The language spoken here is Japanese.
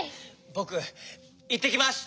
ぼくいってきます！